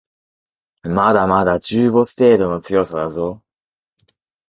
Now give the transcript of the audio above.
まだまだ中ボス程度の強さだぞ